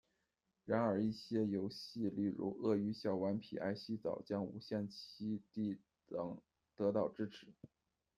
然而一些游戏，例如《鳄鱼小顽皮爱洗澡》将无限期地得到支持。